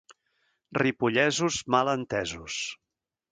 Ripollesos, mal entesos.